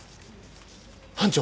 班長。